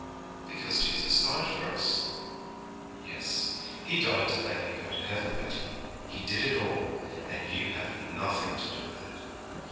'Because Jesus died for us.' 'Yes, He died to let you go to heaven, Betty; He did it all, and you have nothing to do with it.